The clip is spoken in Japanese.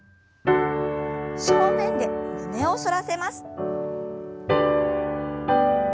正面で胸を反らせます。